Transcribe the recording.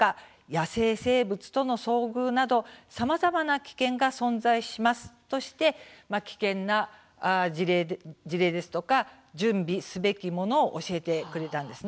野生生物との遭遇などさまざまな危険が存在しますとして、危険な事例ですとか準備すべきものを教えてくれたんです。